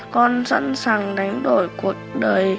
con sẵn sàng đánh đổi cuộc đời